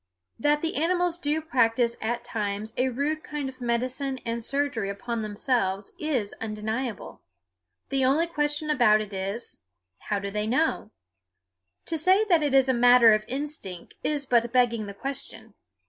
That the animals do practice at times a rude kind of medicine and surgery upon themselves is undeniable. The only question about it is, How do they know? To say it is a matter of instinct is but begging the question.